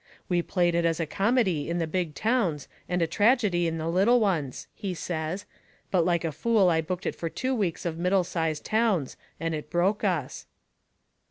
"We played it as comedy in the big towns and tragedy in the little ones," he says. "But like a fool I booked it for two weeks of middle sized towns and it broke us."